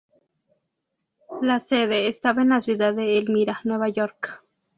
La sede estaba en la ciudad de Elmira, Nueva York.